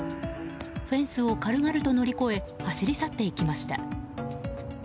フェンスを軽々と乗り越え走り去っていきました。